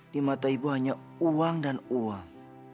di mata ibu hanya uang dan uang